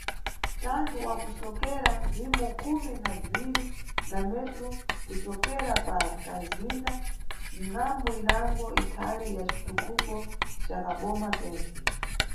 Mthanto wa kuwoneka mphimo khumi na bziwiri za metru kucokera pa kamzinda, ngʼambu inango, ikhali ya citutuko ca kaboma kentse.